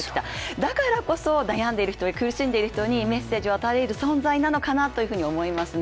だからこそ、悩んでいる人に苦しんでいる人にメッセージを与えれる存在なのかなと思いますね。